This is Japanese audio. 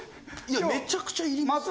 めちゃくちゃいります。